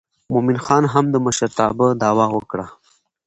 مومن خان هم د مشرتابه دعوه وکړه.